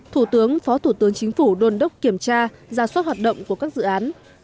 thủ tướng phó thủ tướng chính phủ đôn đốc kiểm tra ra soát hoạt động của các dự án